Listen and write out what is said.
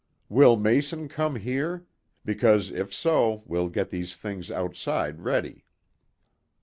"Will Mason come here? Because, if so, we'll get these things outside ready."